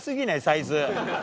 サイズ。